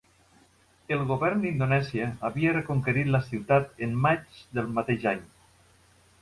El govern d'Indonèsia havia reconquerit la ciutat en maig del mateix any.